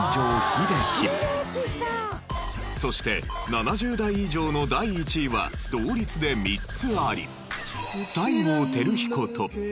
そして７０代以上の第１位は同率で３つあり。